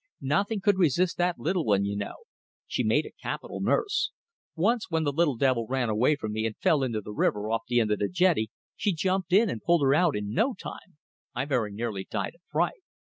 Nothing could resist that little one you know. She made a capital nurse. Once when the little devil ran away from me and fell into the river off the end of the jetty, she jumped in and pulled her out in no time. I very nearly died of fright.